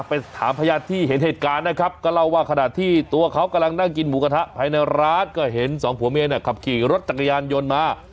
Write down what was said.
ไปถามพยานที่เห็นเหตุการณ์นะครับก็เล่าว่าขณะที่ตัวเขากำลังนั่งกินหมูกระทะภายในร้านก็เห็นสองผัวเมียเนี่ยขับขี่รถจักรยานยนต์มา